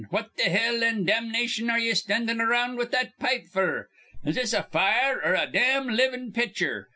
What th' hell an' damnation are ye standin' aroun' with that pipe f'r? Is this a fire 'r a dam livin' pitcher?